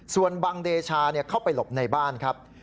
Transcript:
ส่วนบังเดชาเข้าไปหลบในบ้านครับ